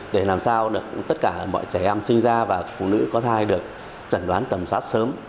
để làm sao tất cả mọi trẻ em sinh ra và phụ nữ có thai được trần đoán tầm soát sớm